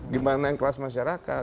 gimana yang kelas masyarakat